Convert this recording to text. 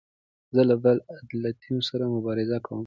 زه له بې عدالتیو سره مبارزه کوم.